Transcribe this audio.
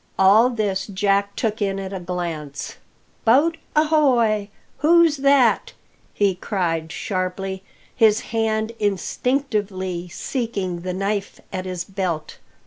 All this Jack took in at a glance. "Boat ahoy! Who's that?" he cried sharply, his hand instinctively seeking the knife at his belt.